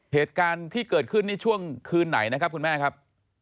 เหตุการณ์ที่เกิดขึ้นนี่ช่วงคืนไหนนะครับคุณแม่ครับ